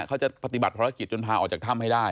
เขาจะปฏิบัติภารกิจจนพาออกจากถ้ำให้ได้